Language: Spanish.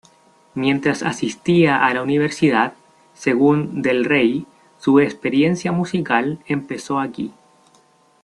Mientras asistía a la universidad, según Del Rey, su experiencia musical empezó aquí.